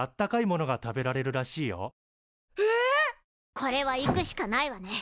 これは行くしかないわね。